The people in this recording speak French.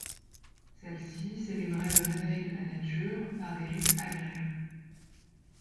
Celles-ci célébraient le réveil de la nature par des rites agraires.